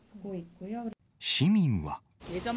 市民は。